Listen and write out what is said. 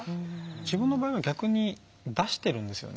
自分の場合は逆に出してるんですよね。